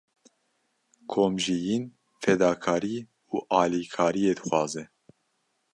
Komjiyîn, fedakarî û alîkariyê dixwaze.